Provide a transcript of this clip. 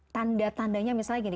tanda tandanya misalnya gini